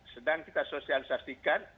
sedang kita sosialisasikan